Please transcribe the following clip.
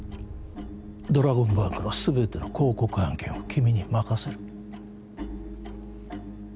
ドラゴンバンクの全ての広告案件を君に任せる